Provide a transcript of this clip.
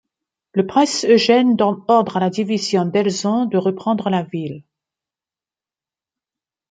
Le prince Eugène donne ordre à la division Delzons de reprendre la ville.